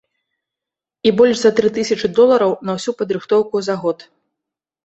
І больш за тры тысячы долараў на ўсю падрыхтоўку за год!